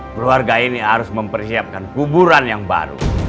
keluarga ini harus mempersiapkan kuburan yang baru